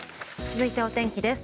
続いてはお天気です。